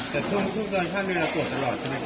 แต่ทุกคนช่างมือตรวจตลอดใช่ไหมครับ